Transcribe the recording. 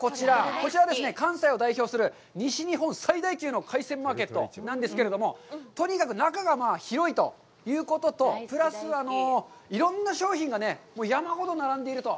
こちら、関西を代表する西日本最大級の海鮮マーケットなんですけれども、とにかく中が広いということと、プラス、いろんな商品が山ほど並んでいると。